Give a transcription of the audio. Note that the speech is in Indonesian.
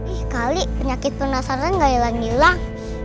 ih kali penyakit penasaran gak hilang hilang